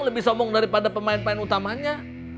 lebih somong daripada pemain pemain utamanya